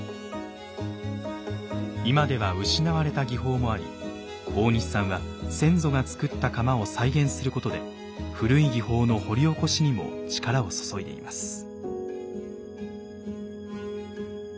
今では失われた技法もあり大西さんは先祖が作った釜を再現することで古い技法の掘り起こしにも力を注いでいます。